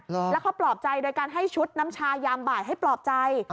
แล้วเขาปลอบใจโดยการให้ชุดน้ำชายามบ่ายให้ปลอบใจ